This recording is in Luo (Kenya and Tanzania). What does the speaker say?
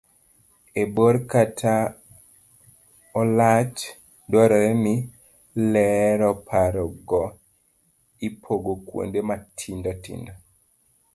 e bor kata olach, dwarore ni lero paro go ipogo kuonde matindo tindo